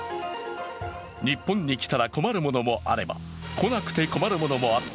日本に来たら困るものもあれば、来なくて困るものもあった。